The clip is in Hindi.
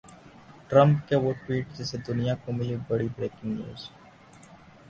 ट्रंप के वो ट्वीट जिनसे दुनिया को मिली बड़ी ब्रेकिंग न्यूज